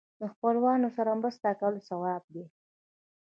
د خپلوانو سره مرسته کول ثواب دی.